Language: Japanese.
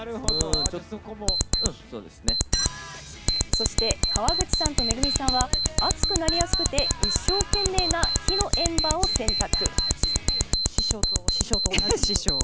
そして川口さんとＭＥＧＵＭＩさんは熱くなりやすくて一生懸命な火のエンバーを選択。